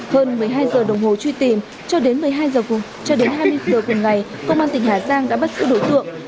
hơn một mươi hai giờ đồng hồ truy tìm cho đến hai mươi giờ cùng ngày công an tỉnh hà giang đã bắt giữ đối tượng